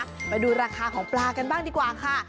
ไปดูราคาของปลากันบ้างดีกว่าค่ะ